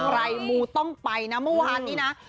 ใครมูต้องไปนะเมื่อวานนี้นะ